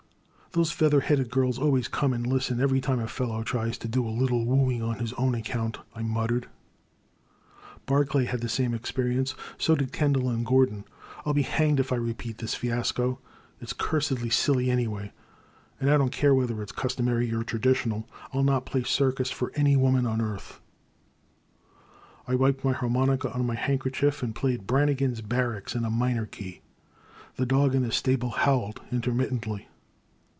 Those feather headed girls always come and listen every time a fellow tries to do a little woo ing on his own account,'* I muttered; Barclay had the same experience, so did Kendall and Gor don. I '11 be hanged if I repeat this fiasco — it 's cursedly silly, anyway, and I don't care whether it's customary and traditional. I '11 not play cir cus for any woman on earth !" I wiped my harmonica on my handkerchief and played "Bannigan's Barracks" in a minor key. The dog in the stable howled intermittently.